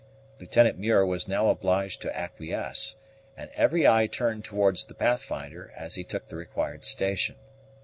Lieutenant Muir was now obliged to acquiesce, and every eye turned towards the Pathfinder, as he took the required station.